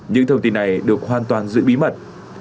những thông tin này được hoàn toàn giữ bí mật